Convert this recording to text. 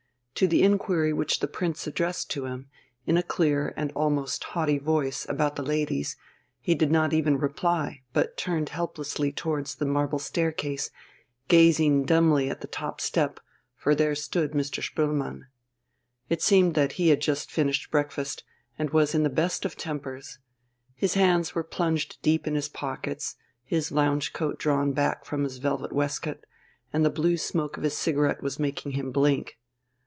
To the inquiry which the Prince addressed to him, in a clear and almost haughty voice, about the ladies, he did not even reply, but turned helplessly towards the marble staircase, gazing dumbly at the top step, for there stood Mr. Spoelmann. It seemed that he had just finished breakfast, and was in the best of tempers. His hands were plunged deep in his pockets, his lounge coat drawn back from his velvet waistcoat, and the blue smoke of his cigarette was making him blink.